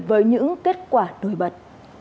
với những kết quả nổi bật